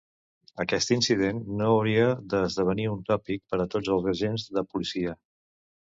Aquest incident no hauria de esdevenir un tòpic per a tots els agents de policia.